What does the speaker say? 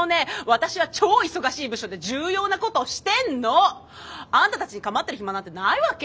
私は超忙しい部署で重要なことをしてんの！あんたたちに構ってる暇なんてないわけ！